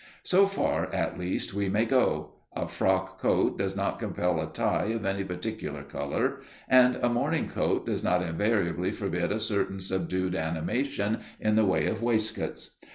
So far, at least, we may go: a frock coat does not compel a tie of any particular colour, and a morning coat does not invariably forbid a certain subdued animation in the way of waistcoats.